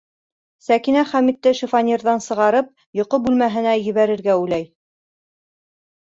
Сәкинә Хәмитте шифоньерҙан сығарып, йоҡо бүлмәһенә ебәрергә уйлай.